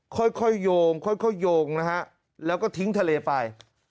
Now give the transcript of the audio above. ค่อยโยงค่อยโยงนะฮะแล้วก็ทิ้งทะเลไป